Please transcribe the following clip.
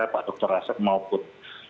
pak dr asep maupun